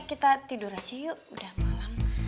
kita tidur aja yuk udah malam